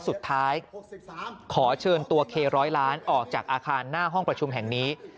สุดท้ายขอเชิญตัวเคร้อยล้านออกจากอาคารหน้าห้องประชุมแห่งนี้